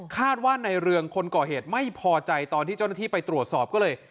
คาดว่าในเรืองคนก่อเหตุไม่พอใจตอนที่เจ้าหน้าที่ไปตรวจสอบก็เลย